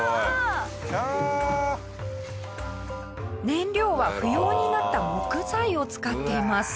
燃料は不要になった木材を使っています。